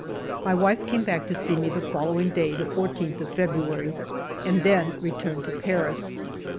My wife came back to see me the following day, the 14th of February, and then returned to Paris.